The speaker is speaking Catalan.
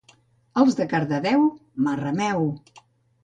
Els de Cardedeu, Marrameu!